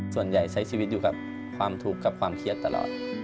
ส่วนใหญ่ใช้ชีวิตอยู่กับความทุบกับความเครียดตลอด